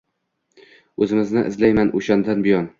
O’zimni izlayman o’shandan buyon».